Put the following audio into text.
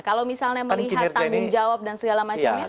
kalau misalnya melihat tanggung jawab dan segala macamnya